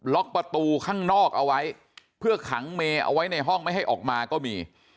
ประตูข้างนอกเอาไว้เพื่อขังเมย์เอาไว้ในห้องไม่ให้ออกมาก็มี